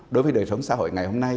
đối với đời sống xã hội ngày hôm nay